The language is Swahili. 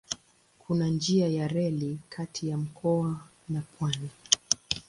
Kuna njia ya reli kati ya mkoa na pwani.